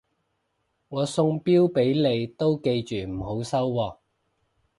我送錶俾你都記住唔好收喎